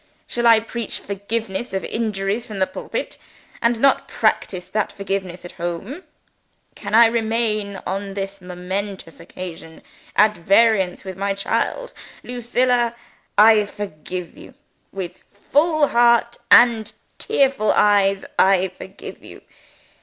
Shall I preach forgiveness of injuries from the pulpit, and not practice that forgiveness at home? Can I remain, on this momentous occasion, at variance with my child? Lucilla! I forgive you. With full heart and tearful eyes, I forgive you.